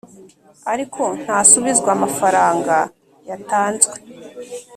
ariko ntasubizwa amafranga yatanzwe.